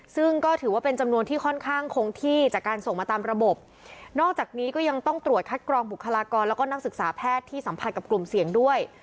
ซึ่งก็ถือว่าเป็นจำนวนที่ค่อนข้างคงที่จากการส่งมาตามระบบนอกจากนี้ก็ยังต้องตรวจคัดกรองบุคลากรแล้วก็นักศึกษาแพทย์ที่สัมผัสกับกลุ่มเสี่ยงด้วย